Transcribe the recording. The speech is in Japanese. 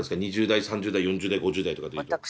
２０代３０代４０代５０代とかでいうと。